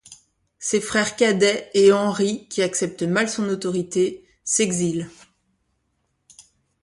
Ses frères cadets et Henri, qui acceptent mal son autorité, s'exilent.